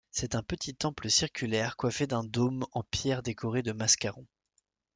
C'est un petit temple circulaire coiffé d'un dôme en pierre décoré de mascarons.